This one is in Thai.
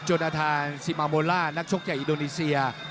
อาทานซิมาโมล่านักชกจากอินโดนีเซีย